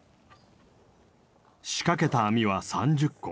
仕掛けた網は３０個。